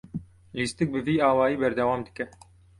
Lîstik bi vî awayî berdewam dike.